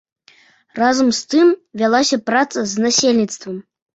Разам з тым вялася праца з насельніцтвам.